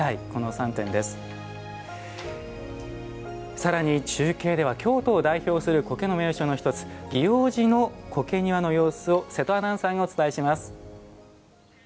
さらに中継では京都を代表する苔の名所の１つ祇王寺の苔庭の様子を瀬戸アナウンサーがお伝えします。